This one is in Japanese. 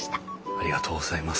ありがとうございます。